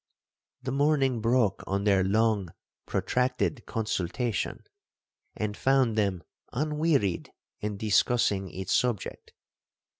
The morning broke on their long protracted consultation, and found them unwearied in discussing its subject.